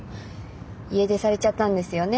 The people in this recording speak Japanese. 家出されちゃったんですよね